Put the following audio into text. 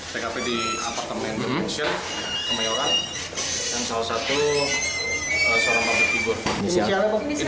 tkp di apartemen mansion kemayoran dan salah satu seorang pabrik figur